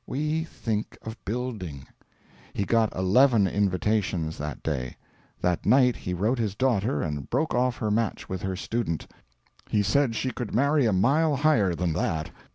We think of building." He got eleven invitations that day. That night he wrote his daughter and broke off her match with her student. He said she could marry a mile higher than that.